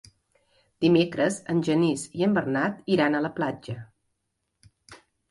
Dimecres en Genís i en Bernat iran a la platja.